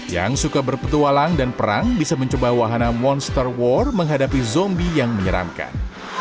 yang suka berpetualang dan perang bisa mencoba wahana monster war menghadapi zombie yang menyeramkan